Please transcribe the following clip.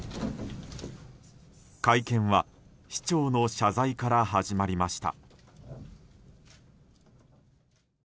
会見は市長の謝罪から始まりました。